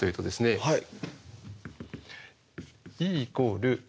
はい。